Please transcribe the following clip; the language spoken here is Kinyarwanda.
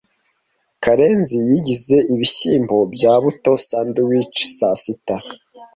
Karenzi yigize ibishyimbo bya buto sandwich ya sasita.